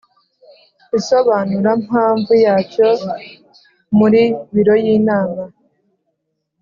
Isobanurampamvu Yacyo muri Biro Y Inama